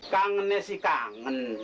kangen ya sih kangen